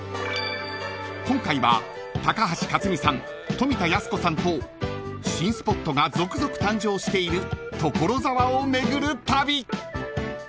［今回は高橋克実さん富田靖子さんと新スポットが続々誕生している所沢を巡る旅］